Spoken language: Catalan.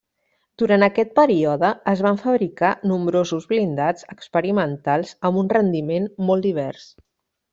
Durant aquest període es van fabricar nombrosos blindats experimentals amb un rendiment molt divers.